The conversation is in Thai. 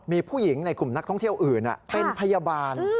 มีผู้หญิงในกลุ่มนักท่องเที่ยวอื่นเป็นพยาบาล